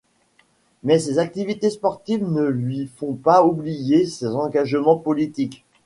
Mais ses activités sportives ne lui font pas oublier ses engagements politiques.